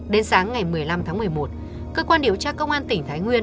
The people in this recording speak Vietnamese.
đến sáng ngày một mươi năm tháng một mươi một cơ quan điều tra công an tỉnh thái nguyên